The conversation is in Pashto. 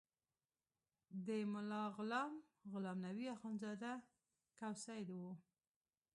د ملا غلام غلام نبي اخندزاده کوسی و.